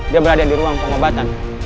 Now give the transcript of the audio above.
dia berada di ruang pengobatan